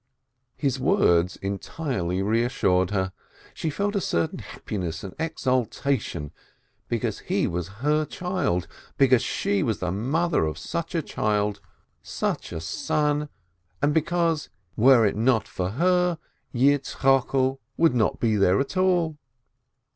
His words entirely reassured her, she felt a certain happiness and exaltation, because he was her child, because she was the mother of such a child, such a son, and because, were it not for her, Yitzchokel would not be there at all.